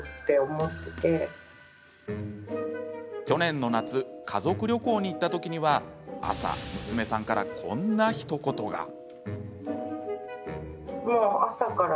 去年の夏家族旅行に行ったときには朝、娘さんからこんなひと言が。